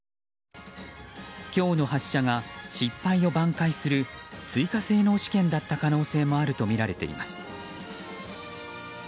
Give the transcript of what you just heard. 今日の発射が失敗を挽回する追加性能試験だった可能性もあるとみられています。